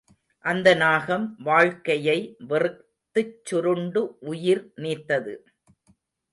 அந்த நாகம் வாழ்க்கையை வெறுத்துச் சுருண்டு உயிர் நீத்தது.